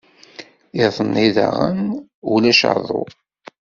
Iḍ-nni daɣen ulac aḍu.